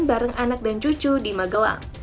bareng anak dan cucu di magelang